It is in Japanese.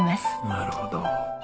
なるほど。